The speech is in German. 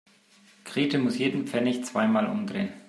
Grete muss jeden Pfennig zweimal umdrehen.